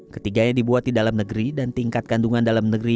ketiganya dibuat di dalam negeri dan tingkat kandungan dalam negeri